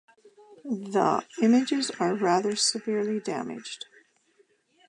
The images are rather severely damaged.